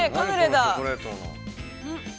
◆何、このチョコレートの。